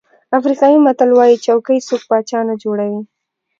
افریقایي متل وایي چوکۍ څوک پاچا نه جوړوي.